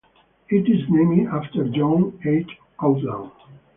It is named after John H. Outland.